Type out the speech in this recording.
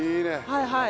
はいはい。